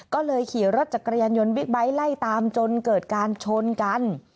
ก็เลยขี่รถจักรยานยนต์บิ๊กไบท์ไล่ตามจนเกิดการชนกัน